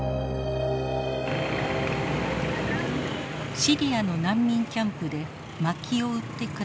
シリアの難民キャンプで薪を売って暮らす男性。